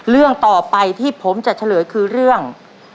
เรื่องต่อไปที่ผมจะเฉลยคือเรื่อง